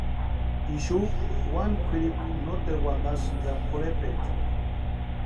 Ixu wani kwʼiripu noteru wantasïni ya pʼorhepecha.